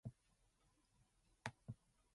Its capital is the city of Trieste.